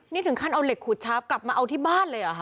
นี่ถึงขั้นเอาเหล็กขูดชาร์ฟกลับมาเอาที่บ้านเลยเหรอคะ